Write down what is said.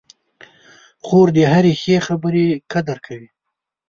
خور د هرې ښې خبرې قدر کوي.